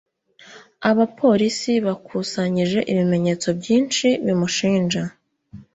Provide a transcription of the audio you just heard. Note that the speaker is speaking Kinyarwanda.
abapolisi bakusanyije ibimenyetso byinshi bimushinja